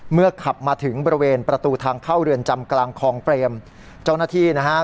เมื่อขับมาถึงบริเวณประตูทางเข้าเรือนจำกลางคองเตรียมจ้องนาทีนะฮะ